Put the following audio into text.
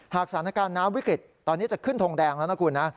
สถานการณ์น้ำวิกฤตตอนนี้จะขึ้นทงแดงแล้วนะคุณนะ